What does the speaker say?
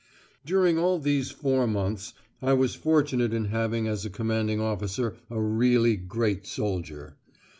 During all these four months I was fortunate in having as a commanding officer a really great soldier.